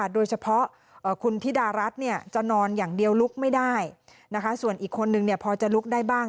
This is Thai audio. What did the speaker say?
โดยเฉพาะคุณธิดารัฐจะนอนอย่างเดียวลุกไม่ได้ส่วนอีกคนนึงพอจะลุกได้บ้าง